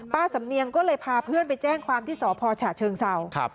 ป้าสำเนียงก็เลยพาเพื่อนไปแจ้งความที่สพฉเซา